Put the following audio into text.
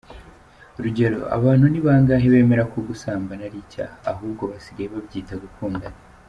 Urugero, abantu ni bangahe bemera ko gusambana ari icyaha? Ahubwo basigaye babyita "gukundana".